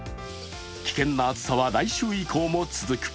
危険な暑さは来週以降も続く。